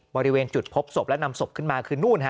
บริเวณจุดพบศพและนำศพขึ้นมาคือนู่นฮะ